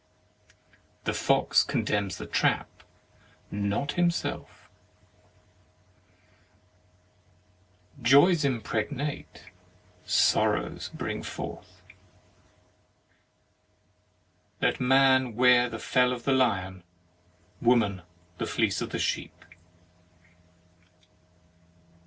The fox condemns the trap, not himself. Joys impregnate, sorrows bring forth. 15 THE MARRIAGE OF Let man wear the fell of the lion, woman the fleece of the sheep.